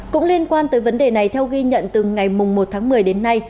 cũng liên quan tới vấn đề này theo ghi nhận từ ngày một tháng một mươi đến nay